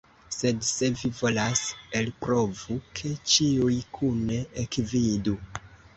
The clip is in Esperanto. Sed se vi volas, elprovu, ke ĉiuj kune ekvidu.